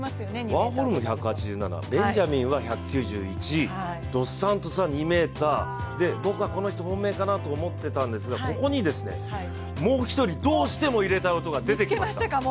ワーホルムは１８７ベンジャミンは１９１ドス・サントスは２ｍで僕はこの人が本命かなと思っていたんですがここに、もう１人どうしても入れたい男が出てきました。